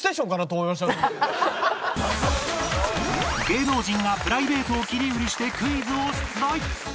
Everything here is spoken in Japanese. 芸能人がプライベートを切り売りしてクイズを出題